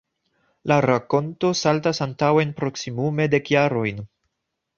La rakonto saltas antaŭen proksimume dek jarojn.